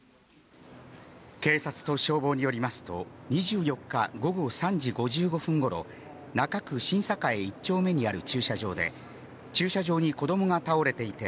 警察と消防によりますと、２４日午後３時５５分ごろ、中区新栄１丁目にある駐車場で、駐車場に子どもが倒れていて、